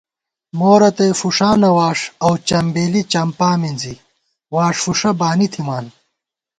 مورتئ فُݭانہ واݭ اؤ چمبیلی چمپا مِنزی، واݭ فُݭہ بانی تھِمان